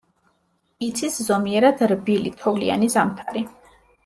იცის ზომიერად რბილი, თოვლიანი ზამთარი.